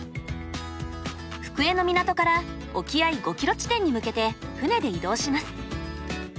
福江の港から沖合５キロ地点に向けて船で移動します。